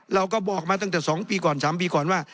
เราก็บอกมาตั้งแต่๒ปีก่อน๓ปีก่อนว่า